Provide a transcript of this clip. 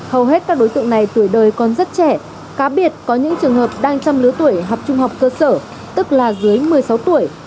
hầu hết các đối tượng này tuổi đời còn rất trẻ cá biệt có những trường hợp đang trong lứa tuổi học trung học cơ sở tức là dưới một mươi sáu tuổi